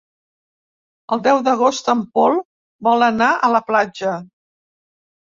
El deu d'agost en Pol vol anar a la platja.